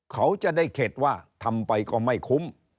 เขาจะได้เข็ดว่าทำไปก็ไม่คุ้ม